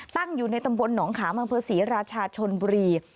ตั้งอยู่ในตำบลหนองขามังเภอศรีราชาชนบุรี